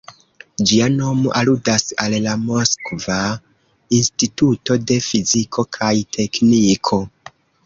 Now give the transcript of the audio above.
Ĝia nomo aludas al la Moskva Instituto de Fiziko kaj Tekniko.